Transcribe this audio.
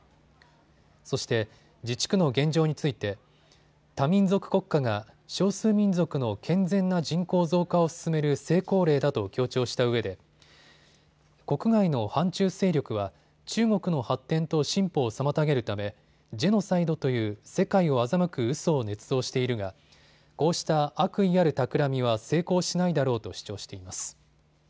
そして自治区の現状について多民族国家が少数民族の健全な人口増加を進める成功例だと強調したうえで国外の反中勢力は中国の発展と進歩を妨げるためジェノサイドという世界を欺くうそをねつ造しているがこうした悪意あるたくらみは成功しないだろうと主張しています。